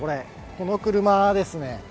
この車ですね。